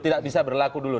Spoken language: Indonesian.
tidak bisa berlaku dulu